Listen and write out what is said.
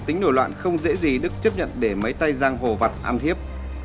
tính nổi loạn không dễ dí đức chấp nhận đề mấy tay giang hồ vặt ăn hiếp